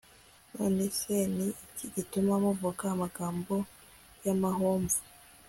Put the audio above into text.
none se ni iki gituma muvuga amagambo y'amahomvu